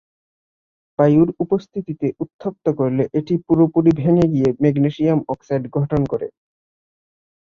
বায়ুর উপস্থিতিতে উত্তপ্ত করলে এটি পুরোপুরি ভেঙ্গে গিয়ে ম্যাগনেসিয়াম অক্সাইড গঠন করে।